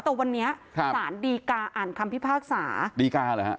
แต่วันนี้สารดีกาอ่านคำพิภาคศาษณ์ดีกาหรอ